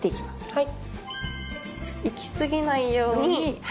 はい。